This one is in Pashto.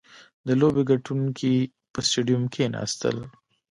• د لوبې کتونکي په سټېډیوم کښېناستل.